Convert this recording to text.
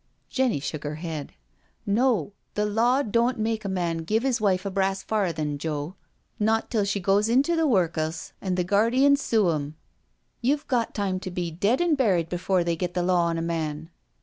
Jenny shook her head. " No, the law doan't make a man give 'is wife a brass farthing, Joe, not till she JENNY'S CALL 69 goes into the work 'us and the guardians sue 'im. You've got time to be dead and buried before they get the law on a man.